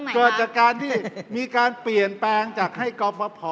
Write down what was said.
เกิดจากการที่มีการเปลี่ยนแปลงจากให้กรฟภ